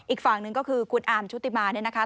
อีกฝั่งหนึ่งก็คือคุณอาร์มชุติมาเนี่ยนะคะ